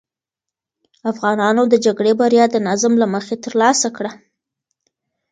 افغانانو د جګړې بریا د نظم له مخې ترلاسه کړه.